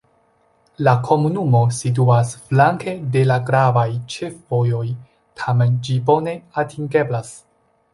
La komunumo situas flanke de la gravaj ĉefvojoj, tamen ĝi bone atingeblas.